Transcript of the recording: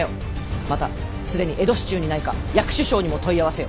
また既に江戸市中にないか薬種商にも問い合わせよ！